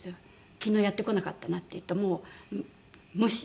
「昨日やってこなかったな」って言ってもう無視です。